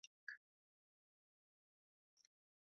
El deu d'agost na Júlia i na Maria volen anar a Elx.